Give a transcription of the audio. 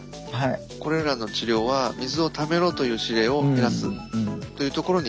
これらの治療は水をためろという指令を減らすというところに効くと考えられます。